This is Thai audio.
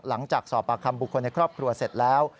หลังจากสอบปากคำบุคคลในครอบครัวเสร็จแล้ว